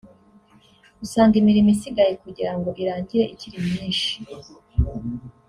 usanga imirimo isigaye kugira ngo irangire ikiri myinshi